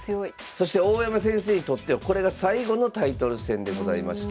そして大山先生にとってはこれが最後のタイトル戦でございました。